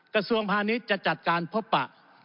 กระทรวงพาณิชย์จะจัดการพบปะ